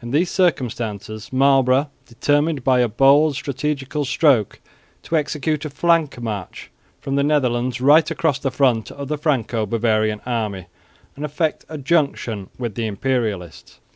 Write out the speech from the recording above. In these circumstances Marlborough determined by a bold strategical stroke to execute a flank march from the Netherlands right across the front of the Franco Bavarian army and effect a junction with the Imperialists.